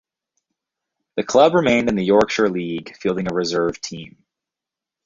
The club remained in the Yorkshire League, fielding a reserve team.